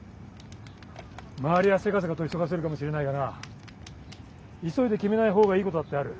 周りはせかせかと急がせるかもしれないがな急いで決めない方がいいことだってある。